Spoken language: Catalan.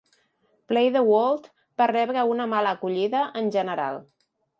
"Play the World" va rebre una mala acollida en general.